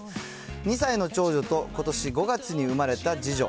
２歳の長女と、ことし５月に生まれた次女。